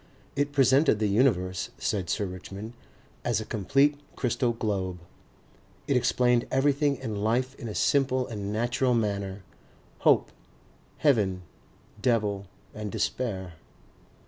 It presented the universe, said Sir Richmond, as a complete crystal globe. It explained everything in life in a simple and natural manner, hope, heaven, devil and despair.